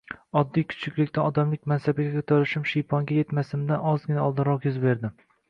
Oddiy kuchuklikdan odamlik mansabiga ko‘tarilishim shiyponga yetmasimdan ozgina oldinroq yuz berdi